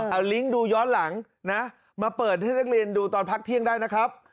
เอาลิงก์ดูย้อนหลังนะมาเปิดให้นักเรียนดูตอนพักเที่ยงได้นะครับ